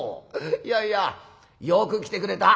いやいやよく来てくれた。